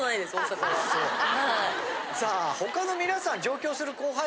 さあ、ほかの皆さん、上京する後輩